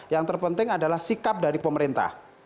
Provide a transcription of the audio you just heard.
yang terpenting adalah sikap dari pemerintah